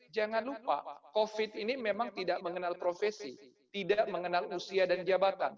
jangan lupa covid ini memang tidak mengenal profesi tidak mengenal usia dan jabatan